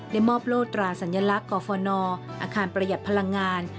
มอบโลตราสัญลักษณ์กรฟนอาคารประหยัดพลังงาน